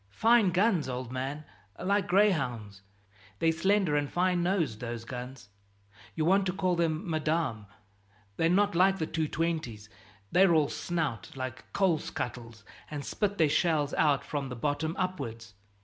Fine guns, old man, like gray hounds. They're slender and fine nosed, those guns you want to call them 'Madame.' They're not like the 220's they're all snout, like coal scuttles, and spit their shells out from the bottom upwards.